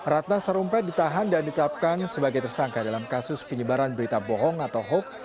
ratna sarumpait ditahan dan ditetapkan sebagai tersangka dalam kasus penyebaran berita bohong atau hoax